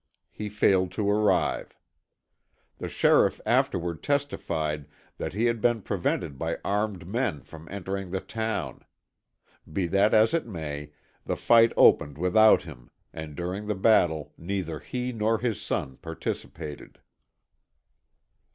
He failed to arrive. The sheriff afterward testified that he had been prevented by armed men from entering the town. Be that as it may, the fight opened without him, and during the battle neither he nor his son participated.